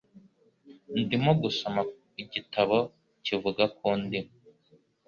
Ndimo gusoma igitabo kivuga ku ndimi.